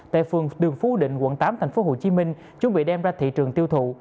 tại phường đường phú định quận tám tp hcm chuẩn bị đem ra thị trường tiêu thụ